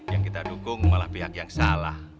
yang kita dukung malah pihak yang salah